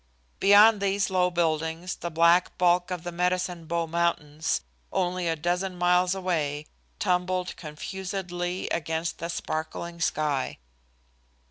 Beyond these low buildings the black bulk of the Medicine Bow Mountains, only a dozen miles away, tumbled confusedly against the sparkling sky.